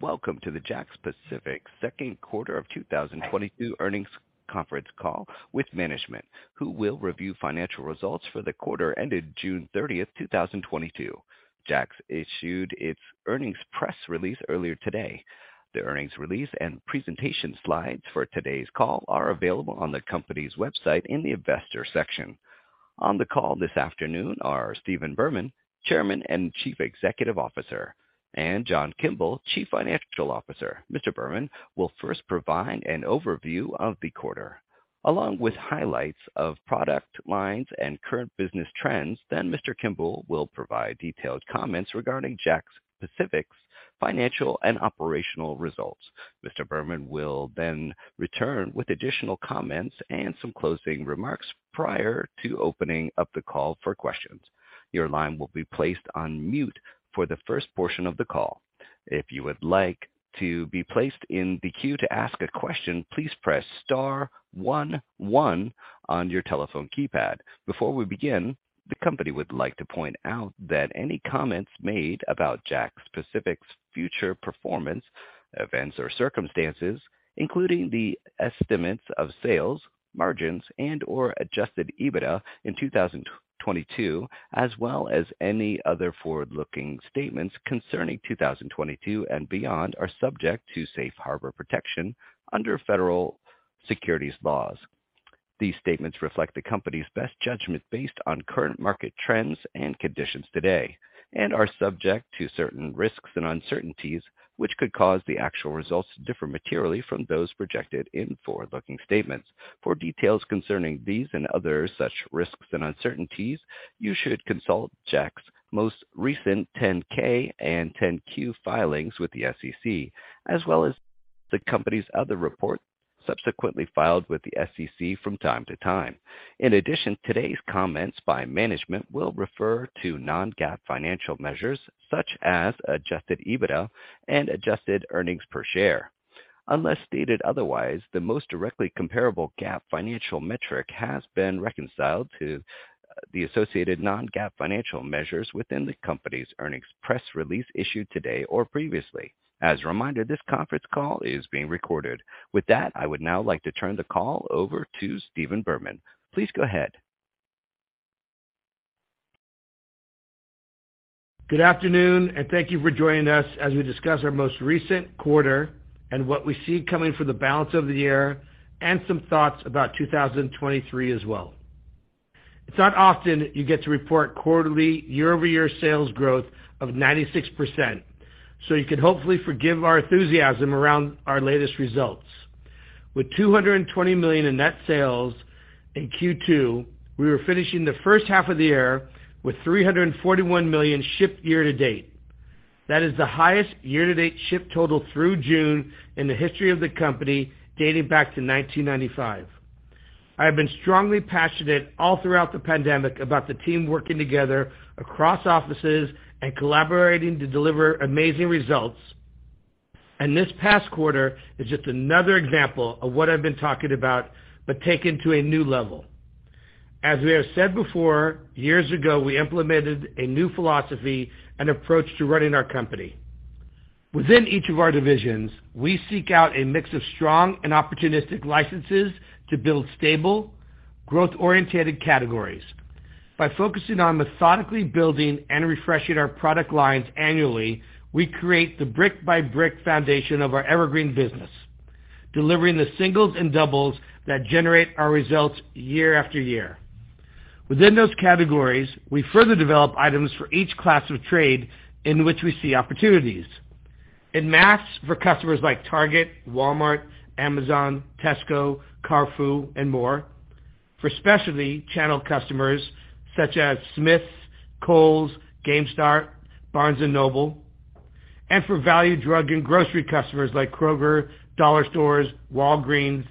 Welcome to the JAKKS Pacific Second Quarter of 2022 Earnings Conference Call with management, who will review financial results for the quarter ended June 30th, 2022. JAKKS issued its earnings press release earlier today. The earnings release and presentation slides for today's call are available on the company's website in the investor section. On the call this afternoon are Stephen Berman, Chairman and Chief Executive Officer, and John Kimble, Chief Financial Officer. Mr. Berman will first provide an overview of the quarter, along with highlights of product lines and current business trends. Then Mr. Kimble will provide detailed comments regarding JAKKS Pacific's financial and operational results. Mr. Berman will then return with additional comments and some closing remarks prior to opening up the call for questions. Your line will be placed on mute for the first portion of the call. If you would like to be placed in the queue to ask a question, please press star one one on your telephone keypad. Before we begin, the company would like to point out that any comments made about JAKKS Pacific's future performance, events, or circumstances, including the estimates of sales, margins, and/or adjusted EBITDA in 2022, as well as any other forward-looking statements concerning 2022 and beyond, are subject to safe harbor protection under federal securities laws. These statements reflect the company's best judgment based on current market trends and conditions today and are subject to certain risks and uncertainties, which could cause the actual results to differ materially from those projected in forward-looking statements. For details concerning these and other such risks and uncertainties, you should consult JAKKS' most recent Form 10-K and Form 10-Q filings with the SEC, as well as the company's other reports subsequently filed with the SEC from time to time. In addition, today's comments by management will refer to non-GAAP financial measures such as adjusted EBITDA and adjusted earnings per share. Unless stated otherwise, the most directly comparable GAAP financial metric has been reconciled to the associated non-GAAP financial measures within the company's earnings press release issued today or previously. As a reminder, this conference call is being recorded. With that, I would now like to turn the call over to Stephen Berman. Please go ahead. Good afternoon, and thank you for joining us as we discuss our most recent quarter and what we see coming for the balance of the year and some thoughts about 2023 as well. It's not often you get to report quarterly year-over-year sales growth of 96%, so you can hopefully forgive our enthusiasm around our latest results. With $220 million in net sales in Q2, we were finishing the first half of the year with $341 million shipped year-to-date. That is the highest year-to-date ship total through June in the history of the company dating back to 1995. I have been strongly passionate all throughout the pandemic about the team working together across offices and collaborating to deliver amazing results. This past quarter is just another example of what I've been talking about, but taken to a new level. As we have said before, years ago, we implemented a new philosophy and approach to running our company. Within each of our divisions, we seek out a mix of strong and opportunistic licenses to build stable, growth-oriented categories. By focusing on methodically building and refreshing our product lines annually, we create the brick-by-brick foundation of our evergreen business, delivering the singles and doubles that generate our results year after year. Within those categories, we further develop items for each class of trade in which we see opportunities. In mass for customers like Target, Walmart, Amazon, Tesco, Carrefour, and more. For specialty channel customers such as Smyths, Kohl's, GameStop, Barnes & Noble, and for value drug and grocery customers like Kroger, Dollar Stores, Walgreens,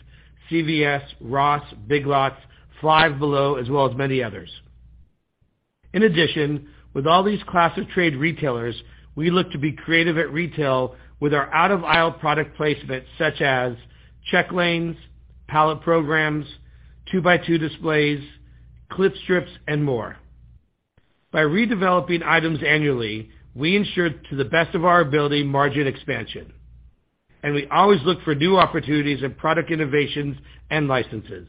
CVS, Ross, Big Lots, Five Below, as well as many others. In addition, with all these class of trade retailers, we look to be creative at retail with our out-of-aisle product placement such as check lanes, pallet programs, two-by-two displays, clip strips, and more. By redeveloping items annually, we ensure to the best of our ability margin expansion, and we always look for new opportunities in product innovations and licenses.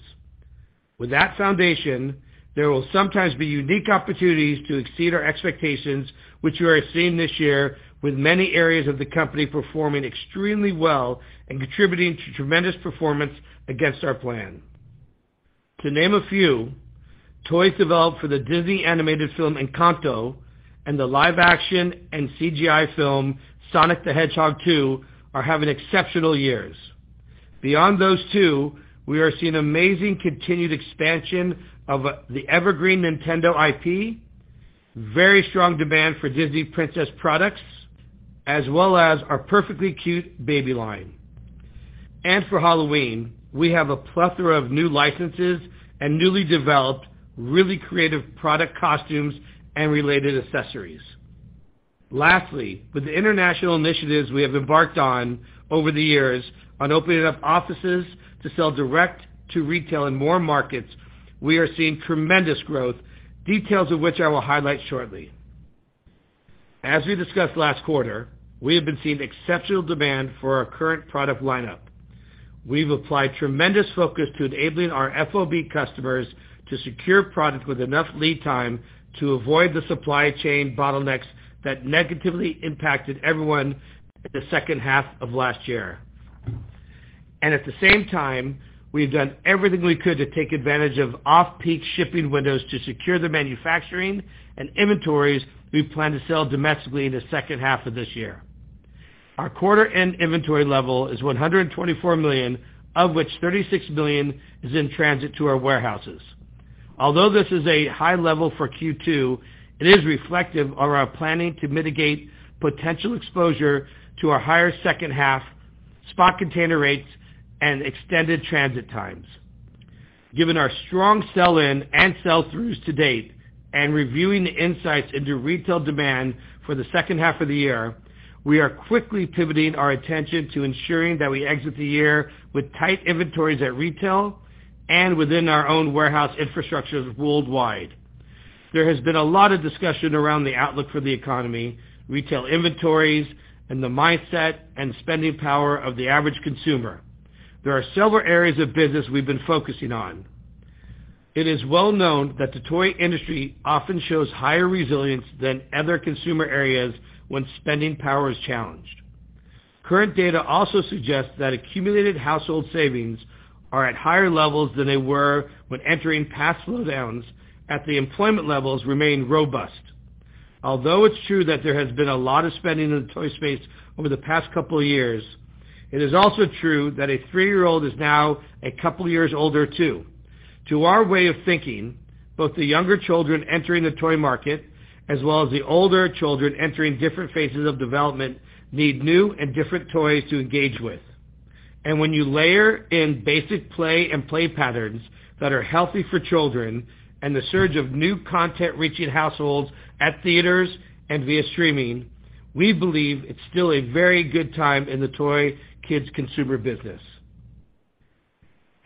With that foundation, there will sometimes be unique opportunities to exceed our expectations, which we are seeing this year with many areas of the company performing extremely well and contributing to tremendous performance against our plan. To name a few, toys developed for the Disney animated film Encanto and the live-action and CGI film Sonic the Hedgehog 2 are having exceptional years. Beyond those two, we are seeing amazing continued expansion of the evergreen Nintendo IP, very strong demand for Disney Princess products, as well as our Perfectly Cute baby line. For Halloween, we have a plethora of new licenses and newly developed, really creative product costumes and related accessories. Lastly, with the international initiatives we have embarked on over the years on opening up offices to sell direct-to-retail in more markets. We are seeing tremendous growth, details of which I will highlight shortly. As we discussed last quarter, we have been seeing exceptional demand for our current product lineup. We've applied tremendous focus to enabling our FOB customers to secure product with enough lead time to avoid the supply chain bottlenecks that negatively impacted everyone in the second half of last year. At the same time, we've done everything we could to take advantage of off-peak shipping windows to secure the manufacturing and inventories we plan to sell domestically in the second half of this year. Our quarter-end inventory level is $124 million, of which $36 million is in transit to our warehouses. Although this is a high level for Q2, it is reflective of our planning to mitigate potential exposure to our higher second half spot container rates and extended transit times. Given our strong sell-in and sell-throughs to date, and reviewing the insights into retail demand for the second half of the year, we are quickly pivoting our attention to ensuring that we exit the year with tight inventories at retail and within our own warehouse infrastructures worldwide. There has been a lot of discussion around the outlook for the economy, retail inventories, and the mindset and spending power of the average consumer. There are several areas of business we've been focusing on. It is well known that the toy industry often shows higher resilience than other consumer areas when spending power is challenged. Current data also suggests that accumulated household savings are at higher levels than they were when entering past slowdowns, as the employment levels remain robust. Although it's true that there has been a lot of spending in the toy space over the past couple of years, it is also true that a three-year-old is now a couple years older too. To our way of thinking, both the younger children entering the toy market, as well as the older children entering different phases of development, need new and different toys to engage with. When you layer in basic play and play patterns that are healthy for children and the surge of new content reaching households at theaters and via streaming, we believe it's still a very good time in the toy kids consumer business.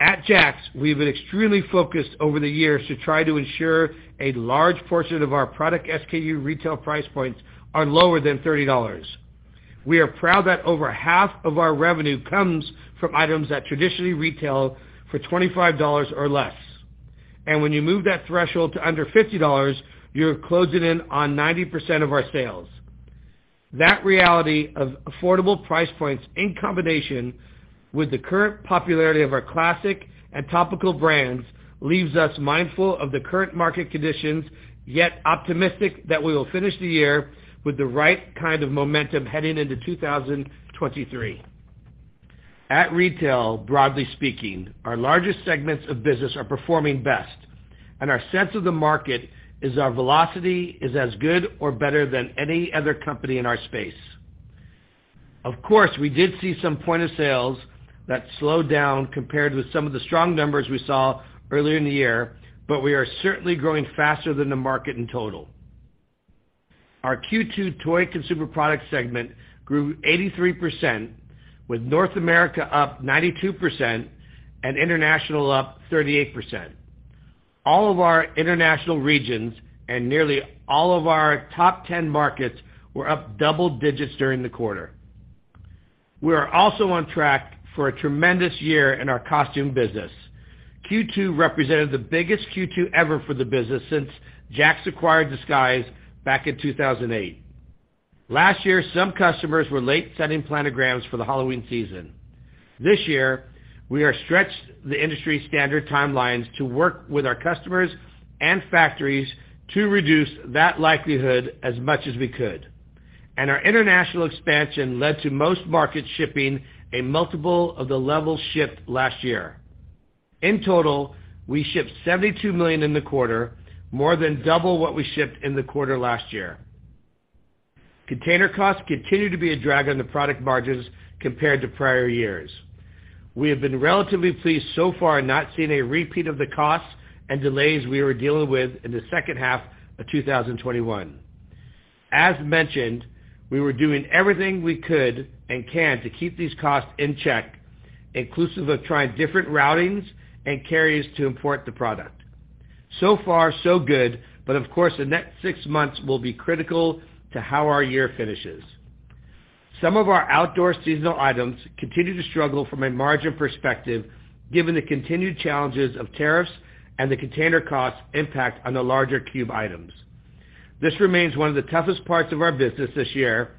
At JAKKS, we have been extremely focused over the years to try to ensure a large portion of our product SKU retail price points are lower than $30. We are proud that over half of our revenue comes from items that traditionally retail for $25 or less. When you move that threshold to under $50, you're closing in on 90% of our sales. That reality of affordable price points, in combination with the current popularity of our classic and topical brands, leaves us mindful of the current market conditions, yet optimistic that we will finish the year with the right kind of momentum heading into 2023. At retail, broadly speaking, our largest segments of business are performing best, and our sense of the market is that our velocity is as good or better than any other company in our space. Of course, we did see some point-of-sales that slowed down compared with some of the strong numbers we saw earlier in the year, but we are certainly growing faster than the market in total. Our Q2 toy consumer product segment grew 83%, with North America up 92% and international up 38%. All of our international regions and nearly all of our top ten markets were up double digits during the quarter. We are also on track for a tremendous year in our costume business. Q2 represented the biggest Q2 ever for the business since JAKKS acquired Disguise back in 2008. Last year, some customers were late sending planograms for the Halloween season. This year, we stretched the industry standard timelines to work with our customers and factories to reduce that likelihood as much as we could, and our international expansion led to most markets shipping a multiple of the levels shipped last year. In total, we shipped $72 million in the quarter, more than double what we shipped in the quarter last year. Container costs continue to be a drag on the product margins compared to prior years. We have been relatively pleased so far not seeing a repeat of the costs and delays we were dealing with in the second half of 2021. As mentioned, we were doing everything we could and can to keep these costs in check, inclusive of trying different routings and carriers to import the product. So far, so good, but of course, the next six months will be critical to how our year finishes. Some of our outdoor seasonal items continue to struggle from a margin perspective, given the continued challenges of tariffs and the container costs impact on the larger cube items. This remains one of the toughest parts of our business this year.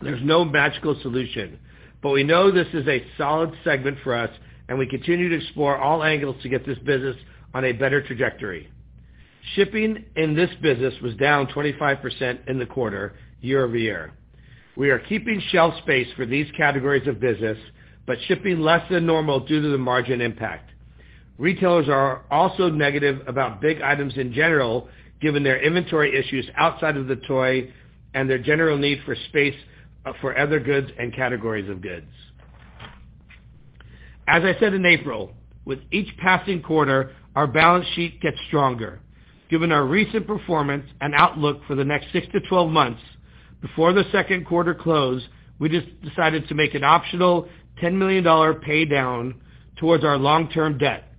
There's no magical solution, but we know this is a solid segment for us, and we continue to explore all angles to get this business on a better trajectory. Shipping in this business was down 25% in the quarter year-over-year. We are keeping shelf space for these categories of business, but shipping less than normal due to the margin impact. Retailers are also negative about big items in general, given their inventory issues outside of the toy and their general need for space for other goods and categories of goods. As I said in April, with each passing quarter, our balance sheet gets stronger. Given our recent performance and outlook for the next six to twelve months. Before the second quarter close, we just decided to make an optional $10 million pay down towards our long-term debt.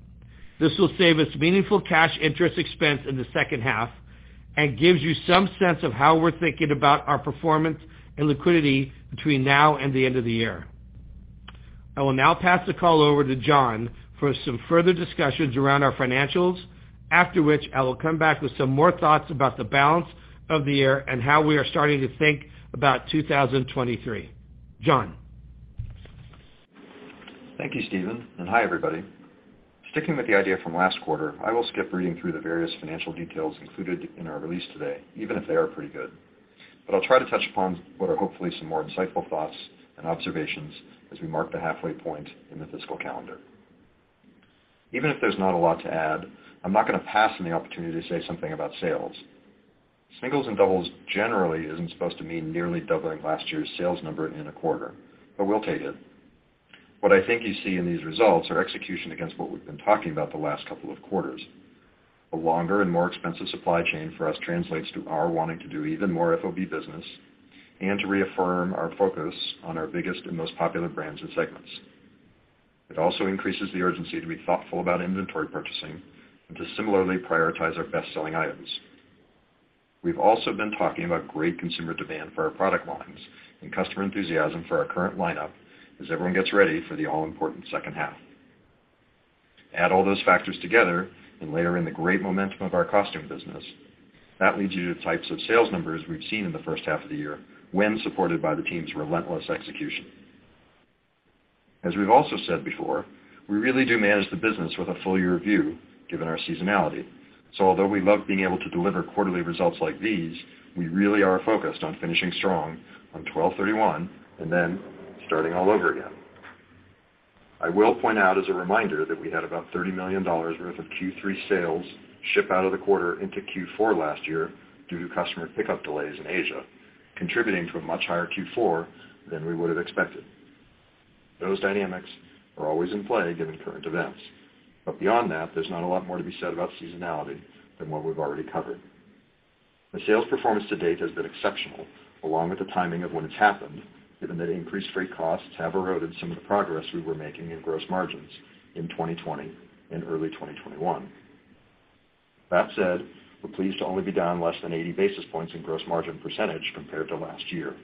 This will save us meaningful cash interest expense in the second half and gives you some sense of how we're thinking about our performance and liquidity between now and the end of the year. I will now pass the call over to John for some further discussions around our financials, after which I will come back with some more thoughts about the balance of the year and how we are starting to think about 2023. John? Thank you, Stephen, and hi, everybody. Sticking with the idea from last quarter, I will skip reading through the various financial details included in our release today, even if they are pretty good. I'll try to touch upon what are hopefully some more insightful thoughts and observations as we mark the halfway point in the fiscal calendar. Even if there's not a lot to add, I'm not going to pass on the opportunity to say something about sales. Singles and doubles generally isn't supposed to mean nearly doubling last year's sales number in a quarter, but we'll take it. What I think you see in these results are execution against what we've been talking about the last couple of quarters. A longer and more expensive supply chain for us translates to our wanting to do even more FOB business and to reaffirm our focus on our biggest and most popular brands and segments. It also increases the urgency to be thoughtful about inventory purchasing and to similarly prioritize our best-selling items. We've also been talking about great consumer demand for our product lines and customer enthusiasm for our current lineup as everyone gets ready for the all-important second half. Add all those factors together and layer in the great momentum of our costume business, that leads you to types of sales numbers we've seen in the first half of the year when supported by the team's relentless execution. As we've also said before, we really do manage the business with a full year view given our seasonality. Although we love being able to deliver quarterly results like these, we really are focused on finishing strong on 12/31/2022 and then, starting all over again. I will point out as a reminder that we had about $30 million worth of Q3 sales ship out of the quarter into Q4 last year due to customer pickup delays in Asia, contributing to a much higher Q4 than we would have expected. Those dynamics are always in play given current events. Beyond that, there's not a lot more to be said about seasonality than what we've already covered. The sales performance to date has been exceptional, along with the timing of when it's happened, given that increased freight costs have eroded some of the progress we were making in gross margins in 2020 and early 2021. That said, we're pleased to only be down less than 80 basis points in gross margin percentage compared to last year.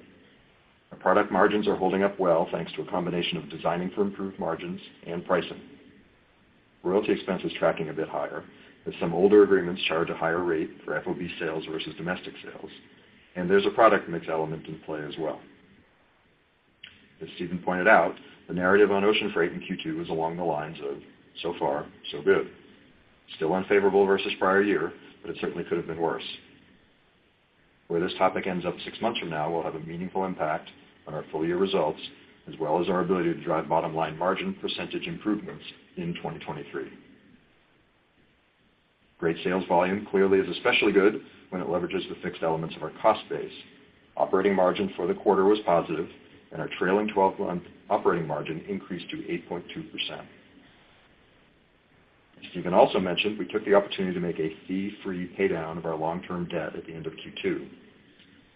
Our product margins are holding up well, thanks to a combination of designing for improved margins and pricing. Royalty expense is tracking a bit higher, as some older agreements charge a higher rate for FOB sales versus domestic sales, and there's a product mix element in play as well. As Stephen pointed out, the narrative on ocean freight in Q2 is along the lines of so far, so good. Still unfavorable versus prior year, but it certainly could have been worse. Where this topic ends up six months from now will have a meaningful impact on our full-year results, as well as our ability to drive bottom line margin percentage improvements in 2023. Great sales volume clearly is especially good when it leverages the fixed elements of our cost base. Operating margin for the quarter was positive and our trailing 12-month operating margin increased to 8.2%. As Stephen also mentioned, we took the opportunity to make a fee-free pay down of our long-term debt at the end of Q2.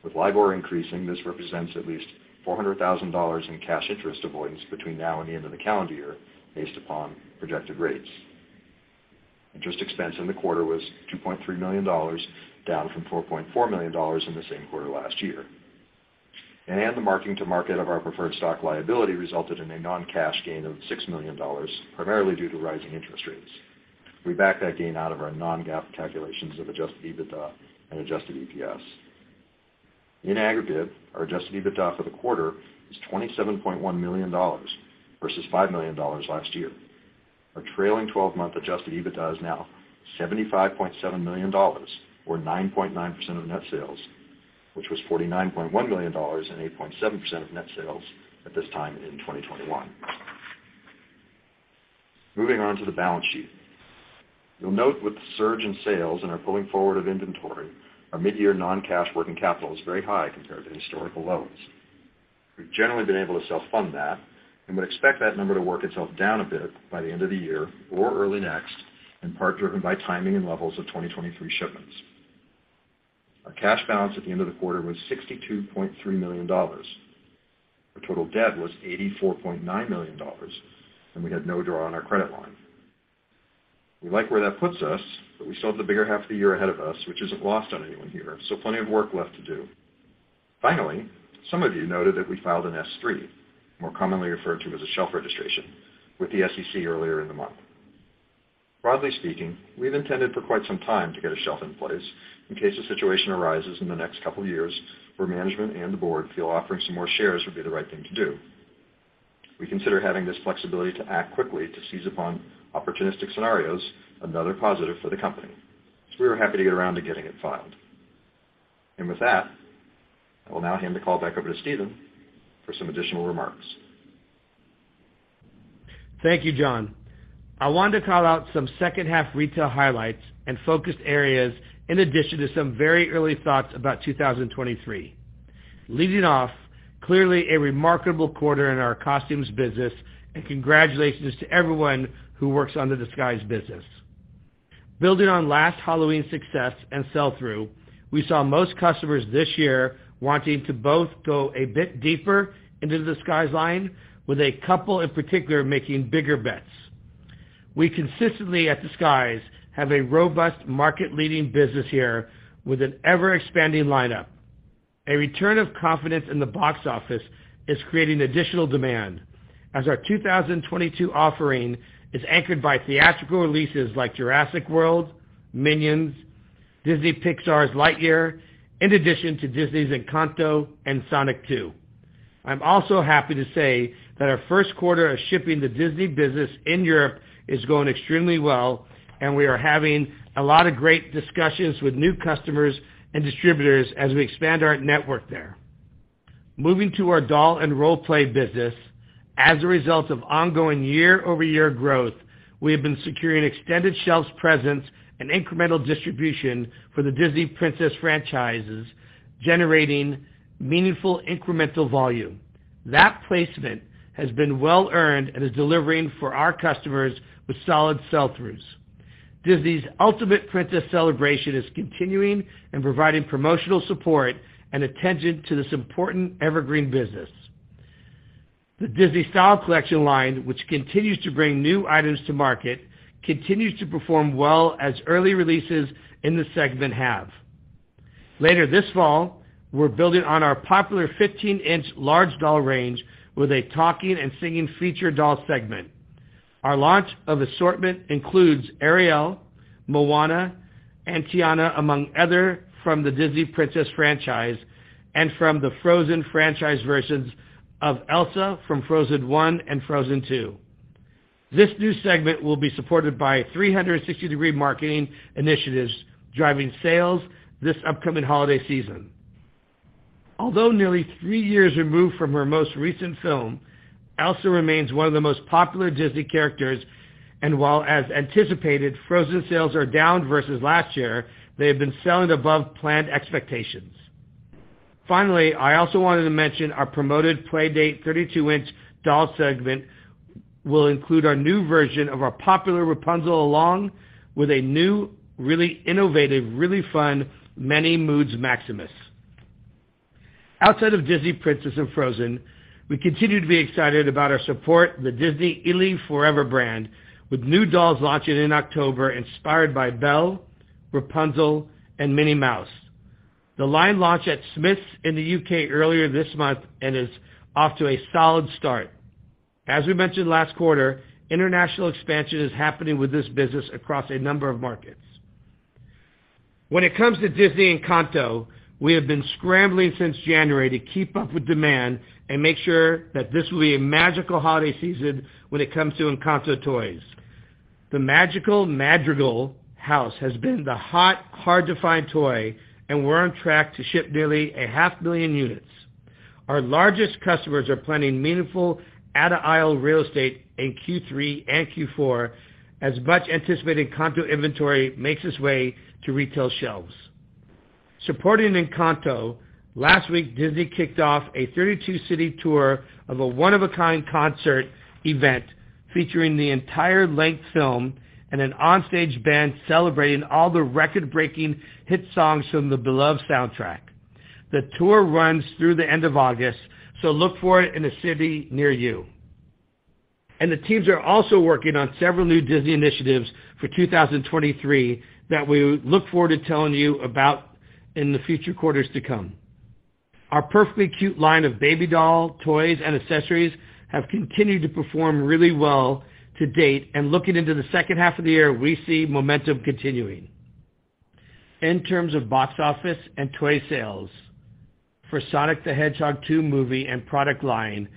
With LIBOR increasing, this represents at least $400,000 in cash interest avoidance between now and the end of the calendar year based upon projected rates. Interest expense in the quarter was $2.3 million, down from $4.4 million in the same quarter last year. The marking to market of our preferred stock liability resulted in a non-cash gain of $6 million, primarily due to rising interest rates. We back that gain out of our non-GAAP calculations of adjusted EBITDA and adjusted EPS. In aggregate, our adjusted EBITDA for the quarter is $27.1 million versus $5 million last year. Our trailing 12-month adjusted EBITDA is now $75.7 million or 9.9% of net sales, which was $49.1 million and 8.7% of net sales at this time in 2021. Moving on to the balance sheet. You'll note with the surge in sales and our pulling forward of inventory, our mid-year non-cash working capital is very high compared to historical lows. We've generally been able to self-fund that and would expect that number to work itself down a bit by the end of the year or early next, in part driven by timing and levels of 2023 shipments. Our cash balance at the end of the quarter was $62.3 million. Our total debt was $84.9 million, and we had no draw on our credit line. We like where that puts us, but we still have the bigger half of the year ahead of us, which isn't lost on anyone here, so plenty of work left to do. Finally, some of you noted that we filed an S-3, more commonly referred to as a shelf registration, with the SEC earlier in the month. Broadly speaking, we've intended for quite some time to get a shelf in place in case a situation arises in the next couple years where management and the board feel offering some more shares would be the right thing to do. We consider having this flexibility to act quickly to seize upon opportunistic scenarios another positive for the company, so we were happy to get around to getting it filed. With that, I will now hand the call back over to Stephen for some additional remarks. Thank you, John. I wanted to call out some second half retail highlights and focus areas in addition to some very early thoughts about 2023. Leading off, clearly a remarkable quarter in our costumes business, and congratulations to everyone who works on the Disguise business. Building on last Halloween's success and sell-through, we saw most customers this year wanting to both go a bit deeper into the Disney's line with a couple in particular making bigger bets. We consistently, at the Disney's, have a robust market-leading business here with an ever-expanding lineup. A return of confidence in the box office is creating additional demand as our 2022 offering is anchored by theatrical releases like Jurassic World, Minions, Disney and Pixar's Lightyear, in addition to Disney's Encanto and Sonic the Hedgehog 2. I'm also happy to say that our first quarter of shipping the Disney business in Europe is going extremely well, and we are having a lot of great discussions with new customers and distributors as we expand our network there. Moving to our doll and role-play business. As a result of ongoing year-over-year growth, we have been securing extended shelf presence and incremental distribution for the Disney Princess franchises, generating meaningful incremental volume. That placement has been well-earned and is delivering for our customers with solid sell-throughs. Disney's Ultimate Princess Celebration is continuing and providing promotional support and attention to this important evergreen business. The Disney Style Collection line, which continues to bring new items to market, continues to perform well as early releases in this segment have. Later this fall, we're building on our popular 15-inch large doll range with a talking and singing feature doll segment. Our launch of assortment includes Ariel, Moana, and Tiana, among others from the Disney Princess franchise, and from the Frozen franchise versions of Elsa from Frozen I and Frozen II. This new segment will be supported by 360-degree marketing initiatives, driving sales this upcoming holiday season. Although nearly three years removed from her most recent film, Elsa remains one of the most popular Disney characters, and while as anticipated, Frozen sales are down versus last year, they have been selling above planned expectations. Finally, I also wanted to mention our promoted playdate 32-in doll segment will include our new version of our popular Rapunzel, along with a new, really innovative, really fun Many Moods Maximus. Outside of Disney Princess and Frozen, we continue to be excited about our support the Disney ily 4EVER brand, with new dolls launching in October inspired by Belle, Rapunzel, and Minnie Mouse. The line launched at Smyths in the U.K. earlier this month and is off to a solid start. As we mentioned last quarter, international expansion is happening with this business across a number of markets. When it comes to Disney Encanto, we have been scrambling since January to keep up with demand and make sure that this will be a magical holiday season when it comes to Encanto toys. The Magical Casa Madrigal has been the hot, hard-to-find toy, and we're on track to ship nearly 500,000 units. Our largest customers are planning meaningful add-to-aisle real estate in Q3 and Q4 as much-anticipated Encanto inventory makes its way to retail shelves. Supporting Encanto, last week, Disney kicked off a 32-city tour of a one-of-a-kind concert event featuring the full-length film and an on-stage band celebrating all the record-breaking hit songs from the beloved soundtrack. The tour runs through the end of August, so look for it in a city near you. The teams are also working on several new Disney initiatives for 2023 that we look forward to telling you about in the future quarters to come. Our Perfectly Cute line of baby doll toys and accessories have continued to perform really well to date, and looking into the second half of the year, we see momentum continuing. In terms of box office and toy sales for Sonic the Hedgehog 2 movie and product line,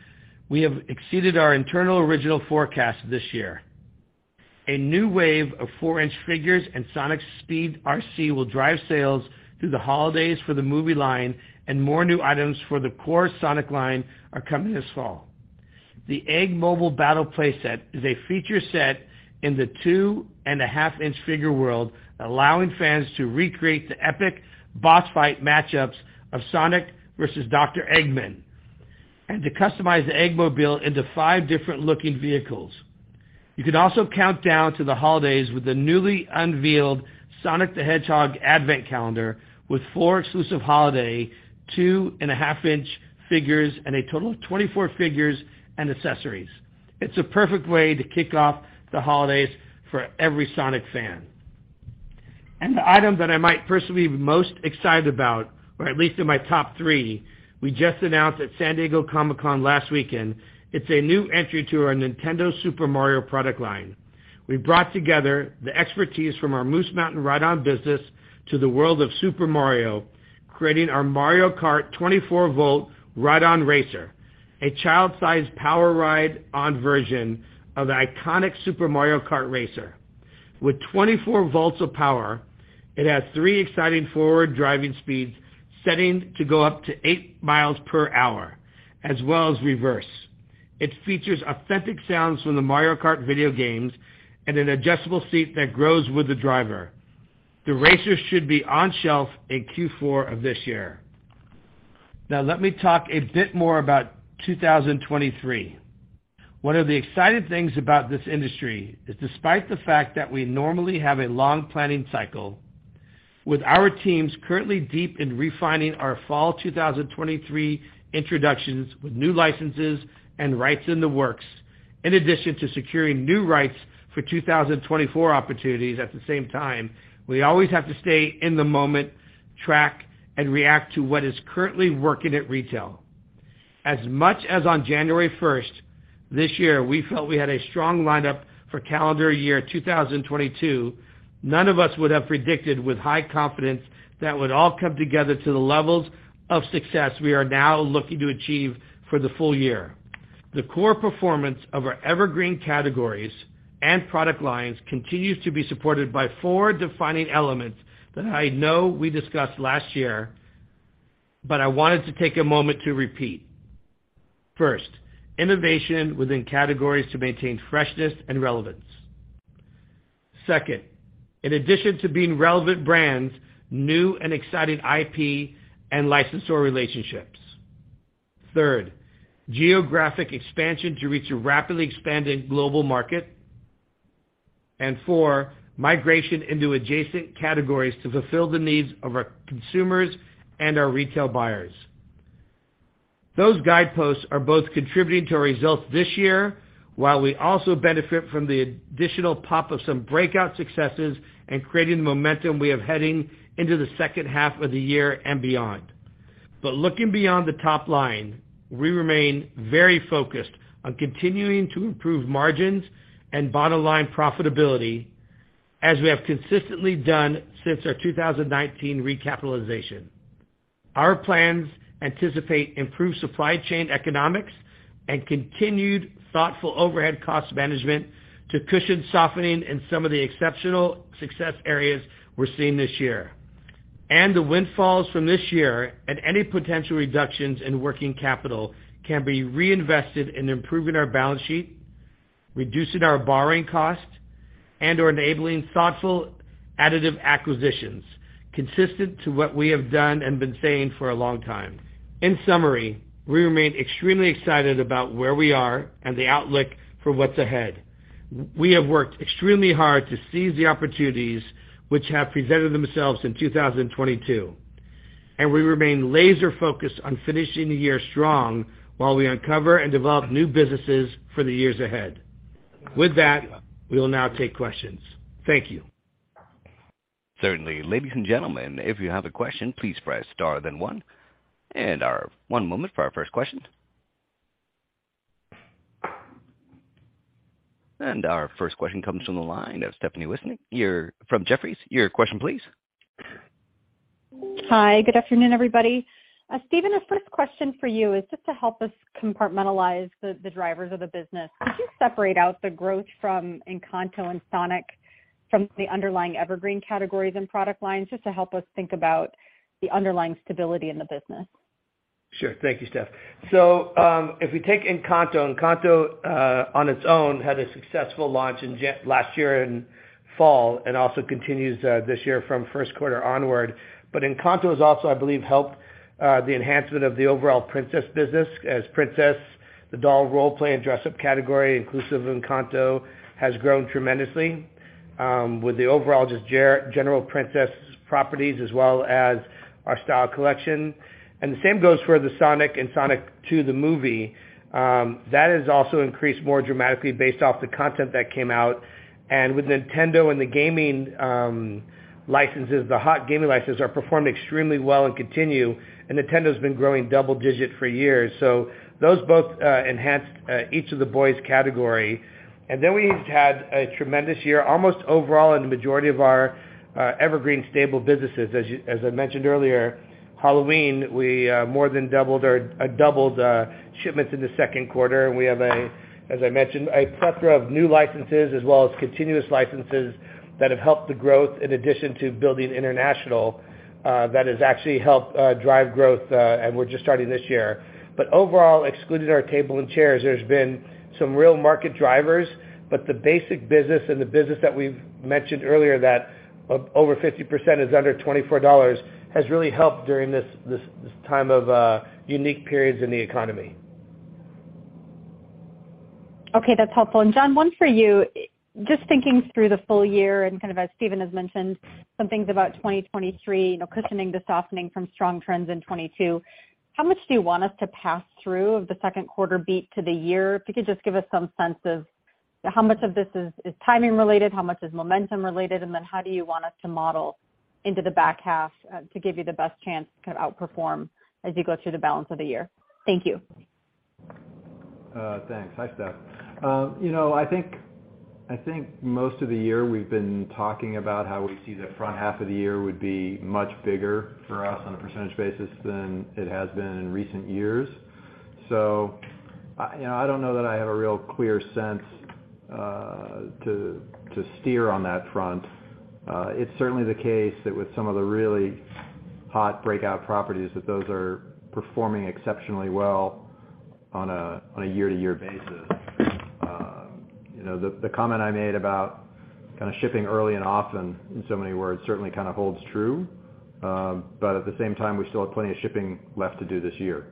we have exceeded our internal original forecast this year. A new wave of 4-in figures and Sonic Speed RC will drive sales through the holidays for the movie line, and more new items for the core Sonic line are coming this fall. The Egg Mobile Battle Play Set is a feature set in the 2.5-in figure world, allowing fans to recreate the epic boss fight matchups of Sonic versus Dr. Eggman and to customize the Egg Mobile into five different looking vehicles. You can also count down to the holidays with the newly unveiled Sonic the Hedgehog Advent Calendar with four exclusive holiday 2.5-in figures and a total of 24 figures and accessories. It's a perfect way to kick off the holidays for every Sonic fan. The item that I might personally be most excited about, or at least in my top three, we just announced at San Diego Comic-Con last weekend. It's a new entry to our Nintendo Super Mario product line. We brought together the expertise from our Moose Mountain Ride-on business to the world of Super Mario, creating our Mario Kart 24-V ride-on racer, a child-sized power ride-on version of the iconic Super Mario Kart racer. With 24 volts of power, it has three exciting forward driving speeds, setting to go up to 8 mi/h, as well as reverse. It features authentic sounds from the Mario Kart video games and an adjustable seat that grows with the driver. The racer should be on shelf in Q4 of this year. Now let me talk a bit more about 2023. One of the exciting things about this industry is despite the fact that we normally have a long planning cycle with our teams currently deep in refining our fall 2023 introductions with new licenses and rights in the works, in addition to securing new rights for 2024 opportunities at the same time, we always have to stay in the moment, track and react to what is currently working at retail. As much as on January 1st this year, we felt we had a strong lineup for calendar year 2022, none of us would have predicted with high confidence that would all come together to the levels of success we are now looking to achieve for the full year. The core performance of our evergreen categories and product lines continues to be supported by four defining elements that I know we discussed last year, but I wanted to take a moment to repeat. First, innovation within categories to maintain freshness and relevance. Second, in addition to being relevant brands, new and exciting IP and licensor relationships. Third, geographic expansion to reach a rapidly expanding global market. Fourth, migration into adjacent categories to fulfill the needs of our consumers and our retail buyers. Those guideposts are both contributing to our results this year, while we also benefit from the additional pop of some breakout successes and creating the momentum we have heading into the second half of the year and beyond. Looking beyond the top line, we remain very focused on continuing to improve margins and bottom line profitability as we have consistently done since our 2019 recapitalization. Our plans anticipate improved supply chain economics and continued thoughtful overhead cost management to cushion softening in some of the exceptional success areas we're seeing this year. The windfalls from this year and any potential reductions in working capital can be reinvested in improving our balance sheet, reducing our borrowing costs, and/or enabling thoughtful additive acquisitions consistent to what we have done and been saying for a long time. In summary, we remain extremely excited about where we are and the outlook for what's ahead. We have worked extremely hard to seize the opportunities which have presented themselves in 2022, and we remain laser focused on finishing the year strong while we uncover and develop new businesses for the years ahead. With that, we will now take questions. Thank you. Certainly. Ladies and gentlemen, if you have a question, please press star then one. One moment for our first question. Our first question comes from the line of Stephanie Wissink from Jefferies. Your question please. Hi. Good afternoon, everybody. Stephen, the first question for you is just to help us compartmentalize the drivers of the business. Could you separate out the growth from Encanto and Sonic from the underlying evergreen categories and product lines, just to help us think about the underlying stability in the business? Sure. Thank you, Steph. If we take Encanto on its own had a successful launch last year in fall and also continues this year from first quarter onward. Encanto has also, I believe, helped the enhancement of the overall Princess business, as Princess, the doll role play and dress-up category, inclusive Encanto, has grown tremendously with the overall just general Princess properties as well as our style collection. The same goes for the Sonic the Hedgehog and Sonic the Hedgehog 2, the movie. That has also increased more dramatically based off the content that came out. With Nintendo and the gaming licenses, the hot gaming licenses are performing extremely well and continue. Nintendo's been growing double-digit for years. Those both enhanced each of the boys category. Then we've had a tremendous year, almost overall in the majority of our evergreen stable businesses. As I mentioned earlier, Halloween, we more than doubled shipments in the second quarter. We have, as I mentioned, a plethora of new licenses as well as continuous licenses that have helped the growth in addition to building international that has actually helped drive growth, and we're just starting this year. Overall, excluding our table and chairs, there's been some real market drivers. The basic business and the business that we've mentioned earlier that over 50% is under $24, has really helped during this time of unique periods in the economy. Okay, that's helpful. John, one for you. Just thinking through the full year and kind of as Stephen has mentioned some things about 2023, you know, cushioning the softening from strong trends in 2022, how much do you want us to pass through of the second quarter beat to the year? If you could just give us some sense of how much of this is timing related, how much is momentum related, and then how do you want us to model into the back half, to give you the best chance to outperform as you go through the balance of the year? Thank you. Thanks. Hi, Steph. You know, I think most of the year we've been talking about how we see the front half of the year would be much bigger for us on a percentage basis than it has been in recent years. I don't know that I have a real clear sense to steer on that front. It's certainly the case that with some of the really hot breakout properties, that those are performing exceptionally well on a year-to-year basis. You know, the comment I made about kinda shipping early and often in so many words, certainly kinda holds true. At the same time, we still have plenty of shipping left to do this year.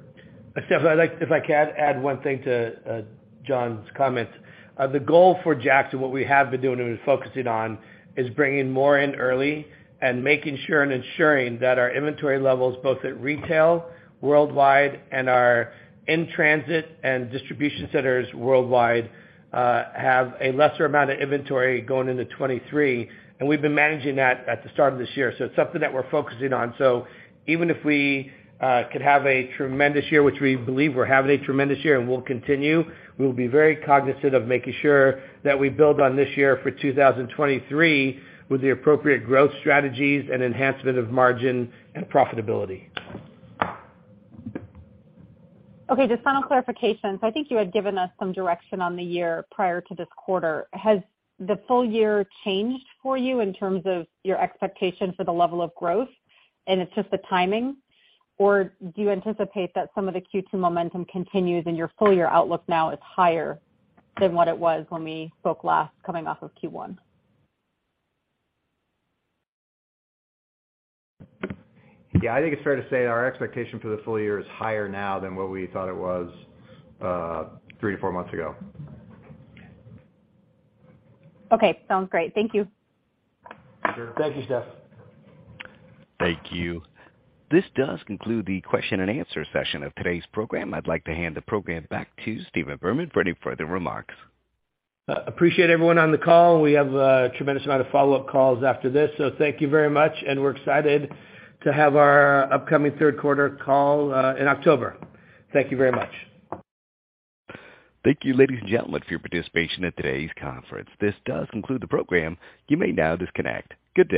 Steph, I'd like, if I can add one thing to John's comments. The goal for JAKKS and what we have been doing and focusing on is bringing more in early and making sure and ensuring that our inventory levels, both at retail worldwide and our in-transit and distribution centers worldwide, have a lesser amount of inventory going into 2023. We've been managing that at the start of this year, so it's something that we're focusing on. Even if we could have a tremendous year, which we believe we're having a tremendous year and will continue, we'll be very cognizant of making sure that we build on this year for 2023 with the appropriate growth strategies and enhancement of margin and profitability. Okay, just final clarification. I think you had given us some direction on the year prior to this quarter. Has the full year changed for you in terms of your expectation for the level of growth, and it's just the timing? Or do you anticipate that some of the Q2 momentum continues and your full year outlook now is higher than what it was when we spoke last coming off of Q1? Yeah. I think it's fair to say our expectation for the full year is higher now than what we thought it was, 3-4 months ago. Okay. Sounds great. Thank you. Sure. Thank you, Steph. Thank you. This does conclude the question and answer session of today's program. I'd like to hand the program back to Stephen Berman for any further remarks. Appreciate everyone on the call. We have a tremendous amount of follow-up calls after this. Thank you very much, and we're excited to have our upcoming third quarter call in October. Thank you very much. Thank you, ladies and gentlemen, for your participation in today's conference. This does conclude the program. You may now disconnect. Good day.